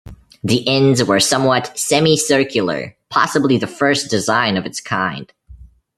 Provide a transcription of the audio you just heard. The ends were somewhat semi-circular, possibly the first design of its kind.